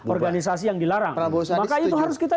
organisasi yang dilarang maka itu harus kita